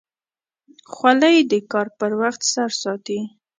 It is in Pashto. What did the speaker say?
خولۍ د کار پر وخت سر ساتي.